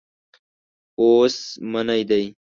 اوس منی دی.